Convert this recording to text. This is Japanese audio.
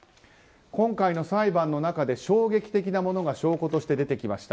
今回の裁判の中で衝撃的なものが証拠として出てきました。